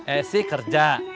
eh sih kerja